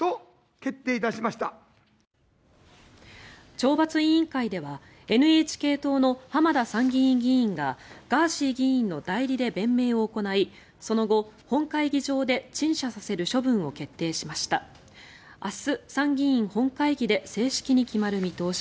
懲罰委員会ではＮＨＫ党の浜田参議院議員がガーシー議員の代理で弁明を行いその後、本会議場で陳謝させる処分を決定しました。